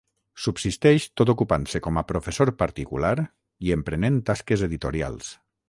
Subsisteix tot ocupant-se com a professor particular i emprenent tasques editorials.